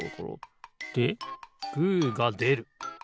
でグーがでる。